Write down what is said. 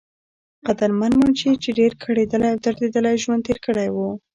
قدرمند منشي، چې ډېر کړېدلے او درديدلے ژوند تير کړے وو